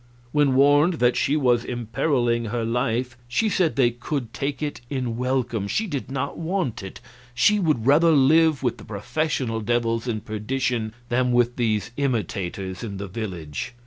When warned that she was imperiling her life, she said they could take it in welcome, she did not want it, she would rather live with the professional devils in perdition than with these imitators in the village.